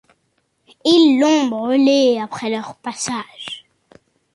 Ils l’ont brûlé après leur passage!